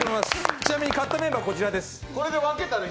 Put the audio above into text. ちなみに買ったメンバーこちらです。